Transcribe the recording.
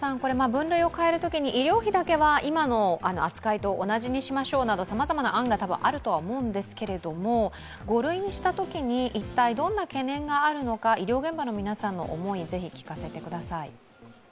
分類を変えるときに医療費だけは今の扱いと同じにしましょうなどさまざまな案が多分あるとは思うんですけれども５類にしたときに一体どんな懸念があるのか、医療現場の皆さんの思い、ぜひ教えてください。